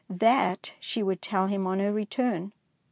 That she would tell him on her return.